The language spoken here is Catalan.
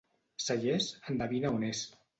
Cellers, endevina on és.